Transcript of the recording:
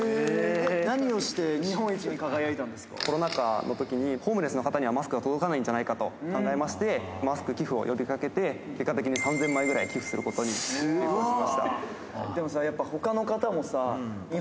何をして日本一に輝いたんでコロナ禍のときに、ホームレスの方にはマスクが届かないんじゃないかと考えまして、マスク寄付を呼びかけたときに３０００枚ぐらい寄付することが。